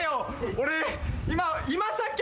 俺今。